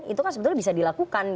itu kan sebetulnya bisa dilakukan